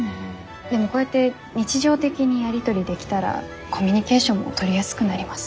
でもこうやって日常的にやり取りできたらコミュニケーションも取りやすくなります。